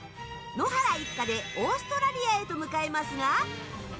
野原一家でオーストラリアへと向かいますが。